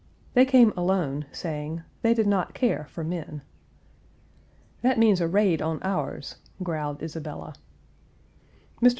They came alone, saying, "they did not care for men." "That means a raid on ours," growled Isabella. Mr.